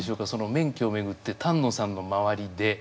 免許を巡って丹野さんの周りで。